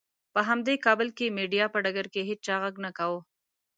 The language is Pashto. په همدې کابل کې مېډیا په ډګر کې هېچا غږ نه کاوه.